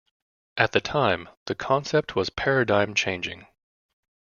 At the time, the concept was paradigm changing.